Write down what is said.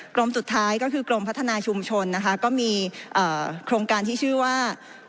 กรมสุดท้ายก็คือกรมพัฒนาชุมชนนะคะก็มีโครงการที่ชื่อว่า